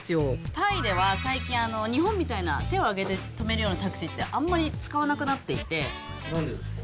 タイでは最近、日本みたいな手をあげて止めるようなタクシーって、あんまり使わなんでですか？